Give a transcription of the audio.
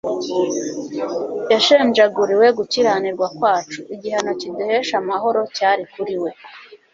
Yashenjaguriwe gukiranirwa kwacu. Igihano kiduhesha amahoro cyari kuri we."